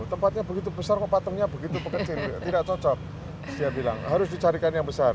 tempatnya begitu besar kok patungnya begitu pekecil tidak cocok dia bilang harus dicarikan yang besar